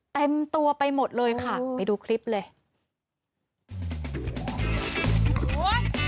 เต็มตัวไปหมดเลยค่ะไปดูคลิปเลย